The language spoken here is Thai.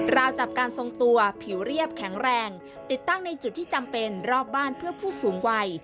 ราวจับการทรงตัวผิวเรียบแข็งแรงติดตั้งในจุดที่จำเป็นรอบบ้านเพื่อผู้สูงวัย